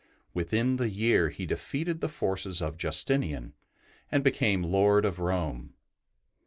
Within the year, he defeated the forces of Justinian and became lord of Rome.